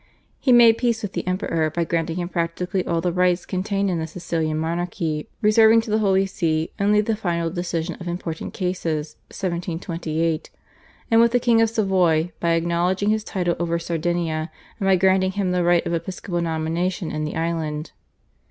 He made peace with the Emperor by granting him practically all the rights contained in the Sicilian Monarchy, reserving to the Holy See only the final decision of important cases (1728), and with the King of Savoy by acknowledging his title over Sardinia and by granting him the right of episcopal nomination in the island.